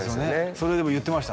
それでも言ってました